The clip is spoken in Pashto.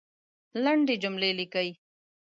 لندي جملې لیکئ !